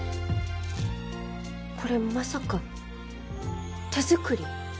これまさか手作り？